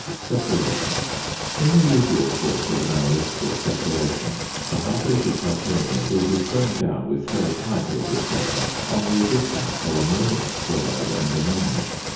~Separation.~ In the usual course of an analytical separation the hydrate of titanium will be thrown down with ferric hydrate, &c., on the addition of ammonic chloride and ammonia.